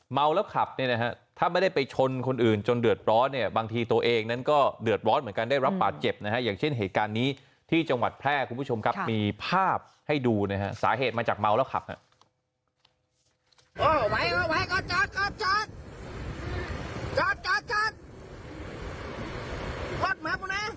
เมาแล้วขับเนี่ยนะฮะถ้าไม่ได้ไปชนคนอื่นจนเดือดร้อนเนี่ยบางทีตัวเองนั้นก็เดือดร้อนเหมือนกันได้รับบาดเจ็บนะฮะอย่างเช่นเหตุการณ์นี้ที่จังหวัดแพร่คุณผู้ชมครับมีภาพให้ดูนะฮะสาเหตุมาจากเมาแล้วขับครับ